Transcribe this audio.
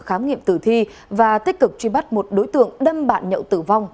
khám nghiệm tử thi và tích cực truy bắt một đối tượng đâm bạn nhậu tử vong